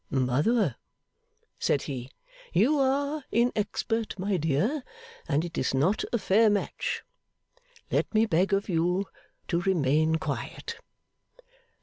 'Mother,' said he, 'you are inexpert, my dear, and it is not a fair match. Let me beg of you to remain quiet.